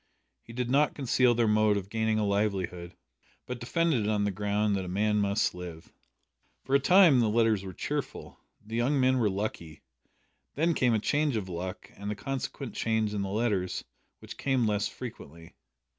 He did not conceal their mode of gaining a livelihood, but defended it on the ground that "a man must live!" For a time the letters were cheerful. The young men were "lucky." Then came a change of luck, and a consequent change in the letters, which came less frequently.